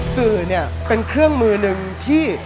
สื่อเนี่ยเป็นเครื่องมือหนึ่งที่